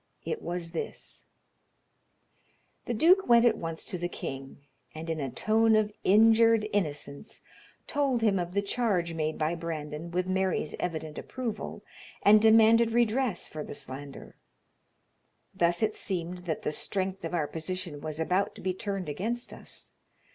It was this: the duke went at once to the king, and, in a tone of injured innocence, told him of the charge made by Brandon with Mary's evident approval, and demanded redress for the slander. Thus it seemed that the strength of our position was about to be turned against us.